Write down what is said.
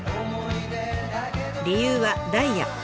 理由はダイヤ。